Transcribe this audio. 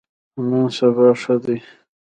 نن سبا ښه دي.